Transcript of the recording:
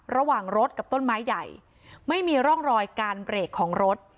ระหว่างรถกับต้นไม้ใหญ่ไม่มีร่องรอยการเบรกของรถ